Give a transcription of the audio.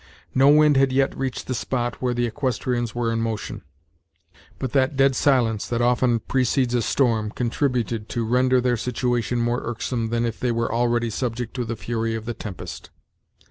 No wind had yet reached the spot where the equestrians were in motion, but that dead silence that often precedes a storm contributed to render their situation more irksome than if they were already subject to the fury of the tempest.